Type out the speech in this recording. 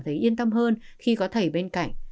thấy yên tâm hơn khi có thầy bên cạnh